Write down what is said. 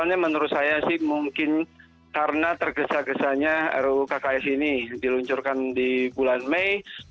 soalnya menurut saya sih mungkin karena tergesa gesanya ruu kks ini diluncurkan di bulan mei